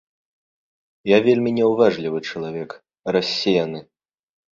Я вельмі няўважлівы чалавек, рассеяны.